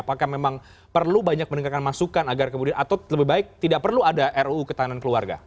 apakah memang perlu banyak mendengarkan masukan agar kemudian atau lebih baik tidak perlu ada ruu ketahanan keluarga